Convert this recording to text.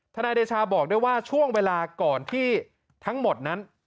นายเดชาบอกด้วยว่าช่วงเวลาก่อนที่ทั้งหมดนั้น